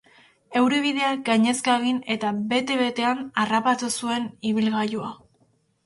Euri-bideak gainezka egin eta bete-betean harrapatu zuen ibilgailua.